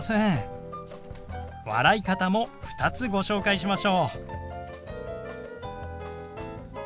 笑い方も２つご紹介しましょう。